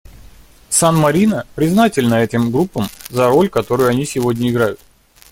СанМарино признательно этим группам за роль, которую они сегодня играют.